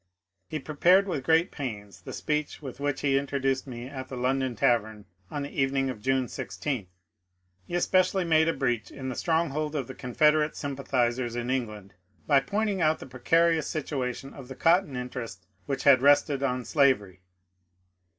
He pre pared with great pains the speech with which he introduced me at the London Tavern on the evening of June 16. He especially made a breach in the stronghold of the Confederate sympathizers in England by pointing out the precarious situ ation of the cotton interest which had rested on slavery.